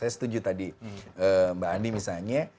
saya setuju tadi mbak andi misalnya